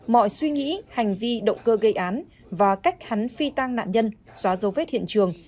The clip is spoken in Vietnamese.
mọi suy nghĩ hành vi động cơ gây án và cách hắn phi tang nạn nhân xóa dấu vết hiện trường